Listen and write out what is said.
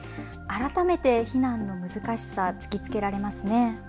改めて避難の難しさ、突きつけられますね。